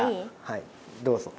はいどうぞ。